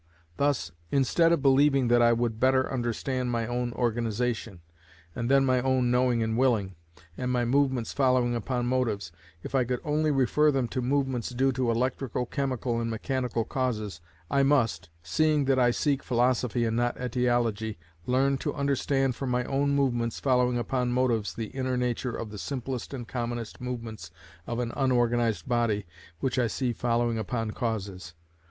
Thus, instead of believing that I would better understand my own organisation, and then my own knowing and willing, and my movements following upon motives, if I could only refer them to movements due to electrical, chemical, and mechanical causes, I must, seeing that I seek philosophy and not etiology, learn to understand from my own movements following upon motives the inner nature of the simplest and commonest movements of an unorganised body which I see following upon causes.